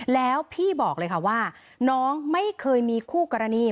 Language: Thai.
แล้วพี่บอกเลยค่ะว่าน้องไม่เคยมีคู่กรณี